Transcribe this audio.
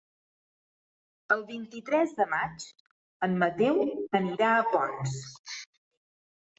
El vint-i-tres de maig en Mateu anirà a Ponts.